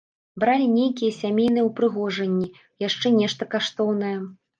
Бралі нейкія сямейныя ўпрыгожанні, яшчэ нешта каштоўнае.